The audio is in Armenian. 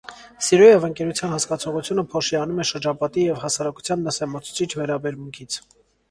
Սիրո և ընկերության հասկացողությունը փոշիանում է շրջապատի և հասարակության նսեմացուցիչ վերաբերմունքից։